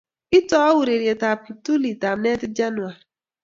itou ureryetab kiptulitab netit januar